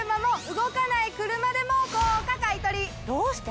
どうして？